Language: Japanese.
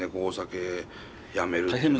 お酒やめるって。